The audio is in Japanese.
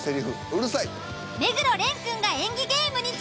うるさい。